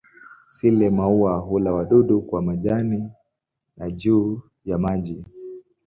Sile-maua hula wadudu kwa majani na juu ya maji.